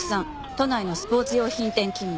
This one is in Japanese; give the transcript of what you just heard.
都内のスポーツ用品店勤務。